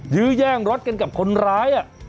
ยื้อแย่งรถกันกับคนร้าย